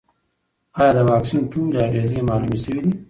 ایا د واکسین ټولې اغېزې معلومې شوې دي؟